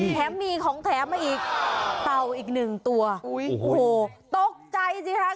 แถมมีของแถมมาอีกเต่าอีกหนึ่งตัวโอ้โหตกใจสิคะ